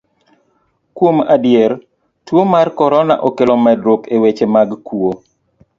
Kuom adier, tuo mar korona okelo medruok e weche mag kuo.